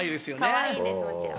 かわいいですもちろん。